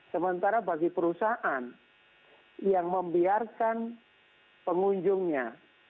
sementara bagi perusahaan yang membiarkan pengunjungnya